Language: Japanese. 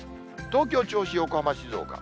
東京、銚子、横浜、静岡。